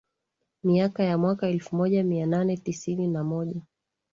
miaka ya mwaka elfu moja mia nane tisini na moja